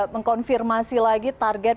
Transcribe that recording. mengkonfirmasi lagi target